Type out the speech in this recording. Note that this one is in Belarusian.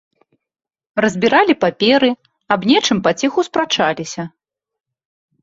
Разбіралі паперы, аб нечым паціху спрачаліся.